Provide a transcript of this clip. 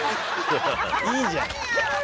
いいじゃん。